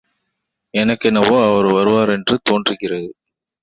எனக்கென்னவோ அவர் வருவார் என்று தான் தோன்றுகிறது.